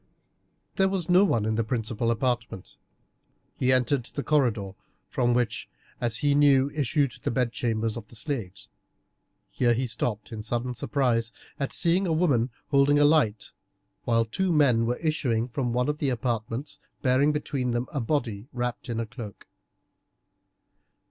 There was no one in the principal apartment. He entered the corridor, from which as he knew issued the bed chambers of the slaves. Here he stopped in sudden surprise at seeing a woman holding a light, while two men were issuing from one of the apartments bearing between them a body wrapped up in a cloak.